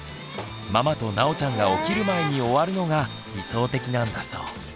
ママとなおちゃんが起きる前に終わるのが理想的なんだそう。